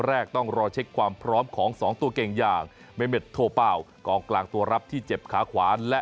แรกต้องรอเช็คความพร้อมของสองตัวเก่งอย่างเมเมดโทเป่ากองกลางตัวรับที่เจ็บขาขวาและ